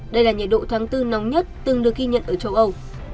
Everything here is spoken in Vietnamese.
đây là nhiệt độ tháng bốn nóng nhất từng được ghi nhận ở châu âu